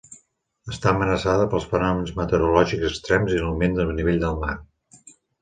Està amenaçada pels fenòmens meteorològics extrems i l'augment del nivell del mar.